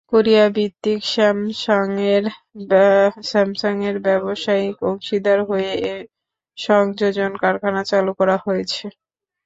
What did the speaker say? কোরিয়াভিত্তিক স্যামসাংয়ের ব্যবসায়িক অংশীদার হয়ে এ সংযোজন কারখানা চালু করা হয়েছে।